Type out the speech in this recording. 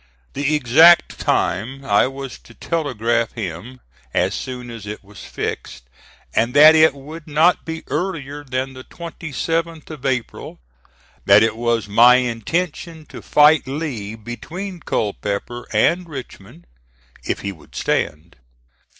The exact time I was to telegraph him as soon as it was fixed, and that it would not be earlier than the 27th of April; that it was my intention to fight Lee between Culpeper and Richmond, if he would stand.